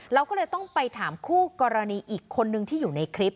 เราก็เลยต้องไปถามคู่กรณีอีกคนนึงที่อยู่ในคลิป